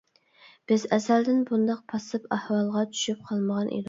بىز ئەزەلدىن بۇنداق پاسسىپ ئەھۋالغا چۈشۈپ قالمىغان ئىدۇق.